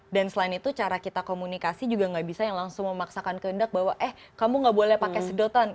dan selain itu cara kita komunikasi juga gak bisa yang langsung memaksakan kendak bahwa eh kamu gak boleh pakai sedotan